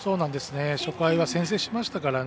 初回は先制しましたからね。